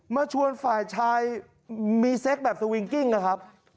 มาชวนฝ่ายชายมีเซ็กแบบสวิงกิ้งนะครับ